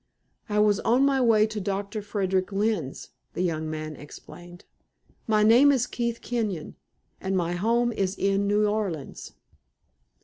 "I was on my way to Doctor Frederick Lynne's," the young man explained. "My name is Keith Kenyon, and my home is in New Orleans."